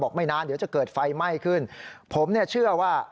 ไม่นานเดี๋ยวจะเกิดไฟไหม้ขึ้นผมเนี่ยเชื่อว่า